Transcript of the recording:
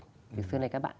thì xưa nay các bạn